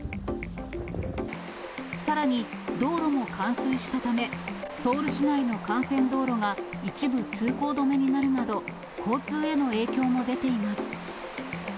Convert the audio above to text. さらに、道路も冠水したため、ソウル市内の幹線道路が一部通行止めになるなど、交通への影響も出ています。